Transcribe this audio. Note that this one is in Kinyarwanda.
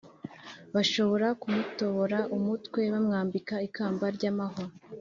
bashobora kumutobora umutwe bamwambika ikamba ry’amahwa